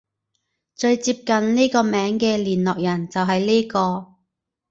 最接近呢個名嘅聯絡人就係呢個